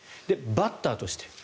バッターとして。